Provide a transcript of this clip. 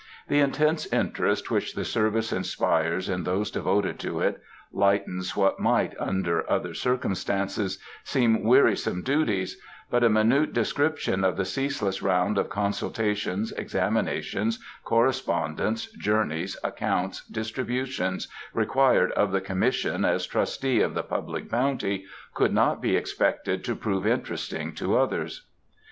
The intense interest which the service inspires in those devoted to it, lightens what might, under other circumstances, seem wearisome duties; but a minute description of the ceaseless round of consultations, examinations, correspondence, journeys, accounts, distributions, required of the Commission as trustee of the public bounty, could not be expected to prove interesting to others.